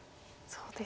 そうですか。